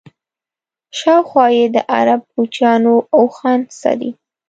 شاوخوا یې د عرب کوچیانو اوښان څري.